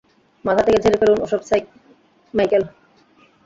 মাথা থেকে ঝেড়ে ফেলুন ওসব, মাইকেল।